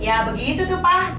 ya begitu tuh pak